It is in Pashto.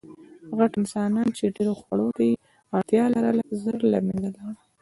غټ انسانان، چې ډېرو خوړو ته یې اړتیا لرله، ژر له منځه لاړل.